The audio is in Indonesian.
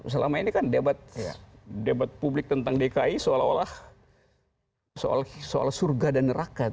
selama ini kan debat publik tentang dki seolah olah soal surga dan neraka